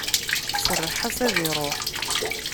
Serreḥ-as ad iruḥ.